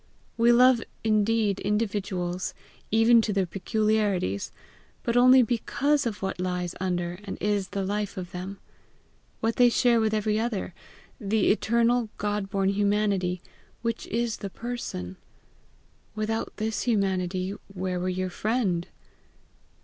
We love indeed individuals, even to their peculiarities, but only BECAUSE of what lies under and is the life of them what they share with every other, the eternal God born humanity WHICH IS THE PERSON. Without this humanity where were your friend?